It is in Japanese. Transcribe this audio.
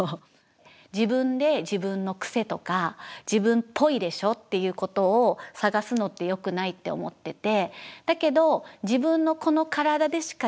自分で自分の癖とか自分っぽいでしょっていうことを探すのってよくないって思ってて。